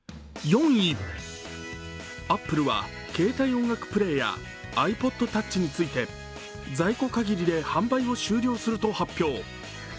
アップルは携帯音楽プレーヤーｉＰｏｄｔｏｕｃｈについて在庫限りで販売を終了すると発表。